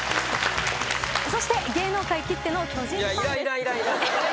そして芸能界きっての巨人ファンです。